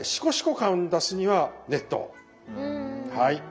はい。